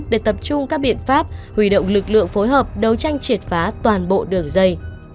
để tập trung các biện pháp huy động lực lượng phối hợp đấu tranh triệt phá toàn bộ đường dây